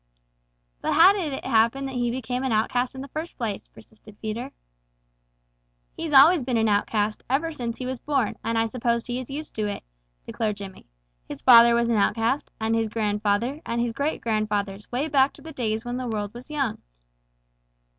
"But how did it happen that he became an outcast in the first place?" persisted Peter. "He's always been an outcast, ever since he was born, and I suppose he is used to it," declared Jimmy. "His father was an outcast, and his grandfather, and his great grandfathers way back to the days when the world was young."